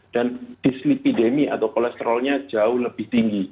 dan dyslipidemi atau kolesterolnya jauh lebih tinggi